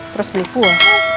terus beli kue